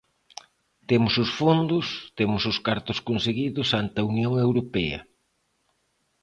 Temos os fondos, temos os cartos conseguidos ante a Unión Europea.